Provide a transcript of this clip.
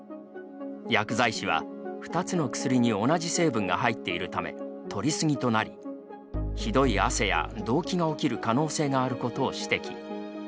薬剤師は、２つの薬に同じ成分が入っているため、とり過ぎとなりひどい汗や動悸が起きる可能性があることを指摘。